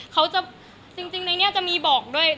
จริงในนี้จะมีบอกด้วย